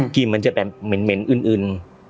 กลิ่นมันจะเป็นเหม็นอื่น